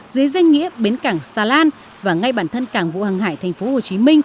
dưới danh nghĩa bến cảng salan và ngay bản thân cảng vũ hằng hải tp hcm